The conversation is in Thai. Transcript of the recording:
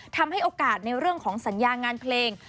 ทำให้โอกาสในเรื่องของสัญญางานเพลง